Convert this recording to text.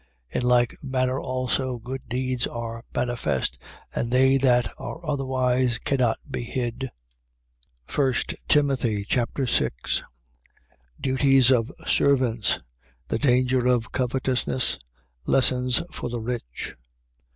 5:25. In like manner also good deeds are manifest: and they that are otherwise cannot be hid. 1 Timothy Chapter 6 Duties of servants. The danger of covetousness. Lessons for the rich.